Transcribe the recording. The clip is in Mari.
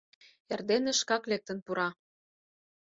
Эрдене шкак лектын пура».